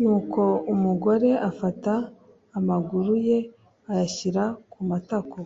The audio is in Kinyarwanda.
nuko umugore afate amaguru ye ayashyire ku matako